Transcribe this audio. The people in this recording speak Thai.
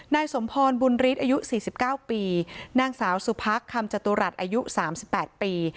นายสมพรบุญฤทธิ์อายุสี่สิบเก้าปีนางสาวสุพรรคคำจตุรัสอายุสามสิบแปดปี